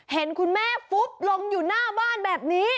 เห็นคุณแม่ฟุบลงอยู่หน้าบ้านแบบนี้